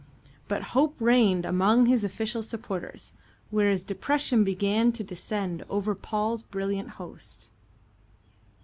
But hope reigned among his official supporters, whereas depression began to descend over Paul's brilliant host.